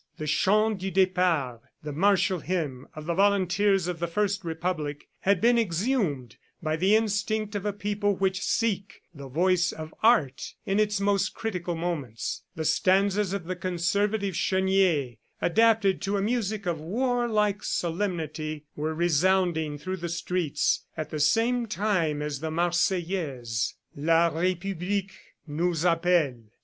The Chant du Depart, the martial hymn of the volunteers of the first Republic, had been exhumed by the instinct of a people which seek the voice of Art in its most critical moments. The stanzas of the conservative Chenier, adapted to a music of warlike solemnity, were resounding through the streets, at the same time as the Marseillaise: La Republique nous appelle.